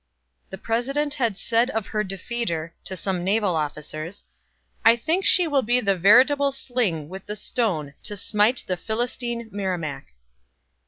The President had said of her defeater, to some naval officers: "I think she will be the veritable sling with the stone to smite the Philistine Merrimac."